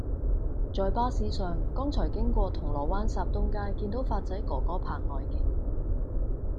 在巴士上剛才經過銅鑼灣霎東街見到發仔哥哥拍外景